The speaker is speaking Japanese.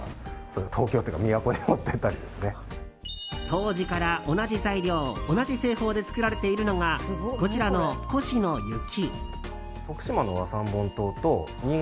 当時から同じ材料、同じ製法で作られているのがこちらの越乃雪。